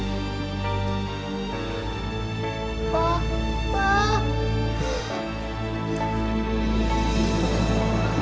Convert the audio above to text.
aku pergi dulu